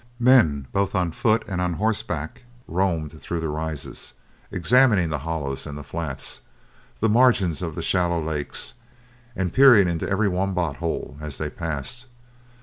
Men both on foot and on horseback roamed through the Rises, examining the hollows and the flats, the margins of the shallow lakes, and peering into every wombat hole as they passed.